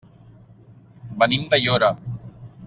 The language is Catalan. Venim d'Aiora.